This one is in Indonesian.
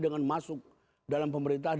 dengan masuk dalam pemerintahan